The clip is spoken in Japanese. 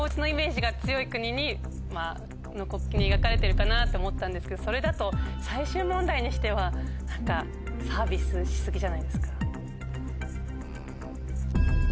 かなって思ったんですけどそれだと最終問題にしては何かサービスし過ぎじゃないですか。